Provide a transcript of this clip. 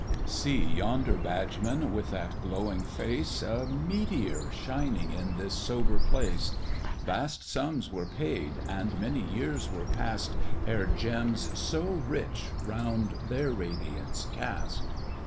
BENBOW. SEE! yonder badgeman with that glowing face, A meteor shining in this sober place! Vast sums were paid, and many years were past, Ere gems so rich around their radiance cast!